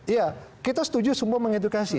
iya kita setuju semua mengedukasi